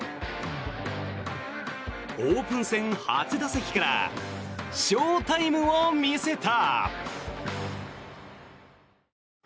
オープン戦初打席からショータイムを見せた。